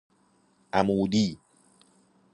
عمودی